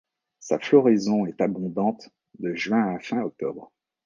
Sa floraison est abondante de juin à fin octobre.